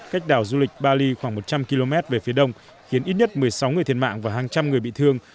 cách đảo du lịch bali khoảng một trăm linh km về phía đông khiến ít nhất một mươi sáu người thiệt mạng và hàng trăm người bị thương